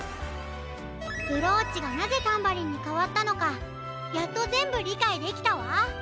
ブローチがなぜタンバリンにかわったのかやっとぜんぶりかいできたわ。